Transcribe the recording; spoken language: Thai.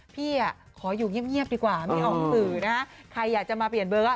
พี่อ่ะขออยู่เงียบดีกว่าไม่ออกสื่อนะใครอยากจะมาเปลี่ยนเบอร์ก็